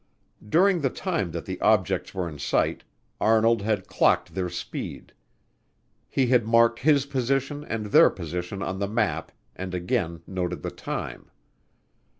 During the time that the objects were in sight, Arnold had clocked their speed. He had marked his position and their position on the map and again noted the time.